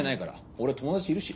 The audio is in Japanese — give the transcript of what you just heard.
俺友達いるし！